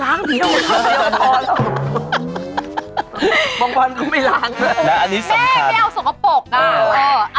ล้างเดี๋ยวนั่นอันนี้สำคัญแม่ไม่เอาสมปบปกเอาอย่างนี้